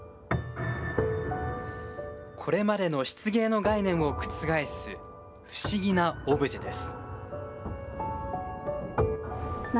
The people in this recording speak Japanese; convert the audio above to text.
これまでの漆芸の概念を覆す、不思議なオブジェです。